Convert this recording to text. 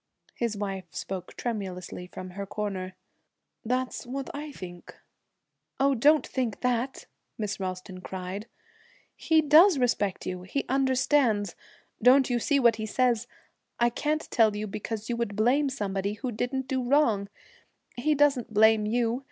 His wife spoke tremulously from her corner. 'That's what I think.' 'Oh, don't think that!' Miss Ralston cried. 'He does respect you he understands. Don't you see what he says: I can't tell you because you would blame somebody who didn't do wrong. He doesn't blame you.